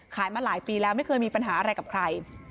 มาหลายปีแล้วไม่เคยมีปัญหาอะไรกับใคร